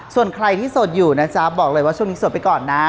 ส่วนใครที่โสดอยู่นะจ๊ะบอกเลยว่าช่วงนี้โสดไปก่อนนะ